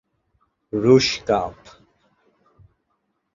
রুশ কাপ